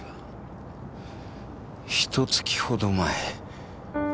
ひと月ほど前。